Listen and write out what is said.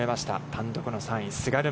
単独の３位菅沼。